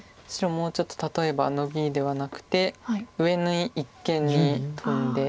もうちょっと例えばノビではなくて上に一間にトンで。